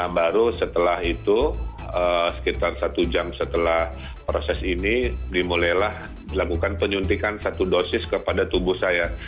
baru setelah itu sekitar satu jam setelah proses ini dimulailah dilakukan penyuntikan satu dosis kepada tubuh saya